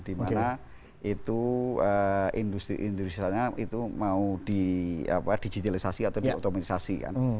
dimana itu industri industri itu mau di digitalisasi atau di otomatisasi kan